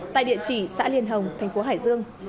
tại địa chỉ xã liên hồng thành phố hải dương